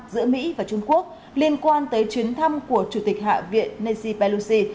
giữa mỹ và trung quốc liên quan tới chuyến thăm của chủ tịch hạ viện nancy pelosi